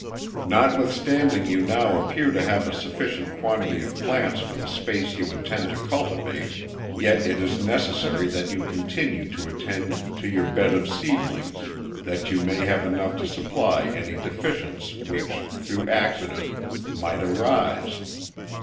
Notwithstanding you now appear to have a sufficient quantity of plants for the space you intend to cultivate, yet it is necessary that you continue to attend to your bed of seedlings, that you may have enough to supply any deficiences which, through accident, might arise.